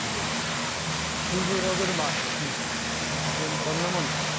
じんじろ車ってどんなもんですか？